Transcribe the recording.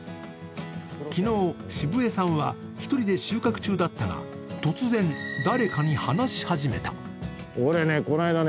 昨日、渋江さんは１人で収穫中だったが、突然、誰かに話し始めた。